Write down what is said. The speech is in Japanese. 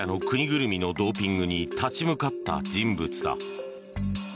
ぐるみのドーピングに立ち向かった人物だ。